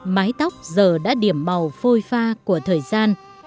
mái tóc giờ đã điểm màu phôi pha của thời gian